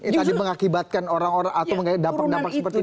tadi mengakibatkan orang orang atau mendapatkan pendapat seperti itu